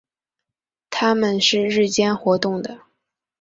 它们是日间活动的。